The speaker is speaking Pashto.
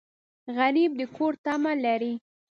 غریب د کور تمه لري